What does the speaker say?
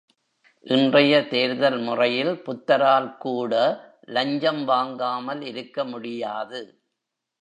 இன்றைய தேர்தல் முறையில் புத்தரால் கூட லஞ்சம் வாங்காமல் இருக்கமுடியாது.